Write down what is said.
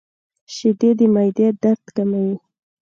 • شیدې د معدې درد کموي.